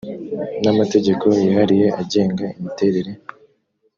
n amategeko yihariye agenga imiterere